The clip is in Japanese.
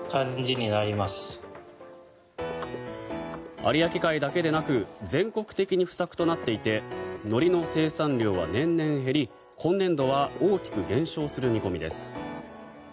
有明海だけでなく全国的に不作となっていてのりの生産量は年々減り今年度は大きく減少する見込みです。